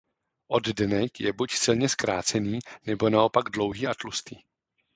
Oddenek je buď silně zkrácený nebo naopak dlouhý a tlustý.